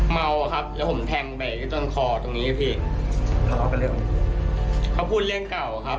เมาอะครับแล้วผมแทงไปต้นคอตรงนี้พี่เขาพูดเรื่องเก่าอะครับ